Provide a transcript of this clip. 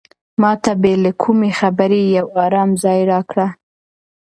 ما ته بې له کومې خبرې یو ارام ځای راکړه.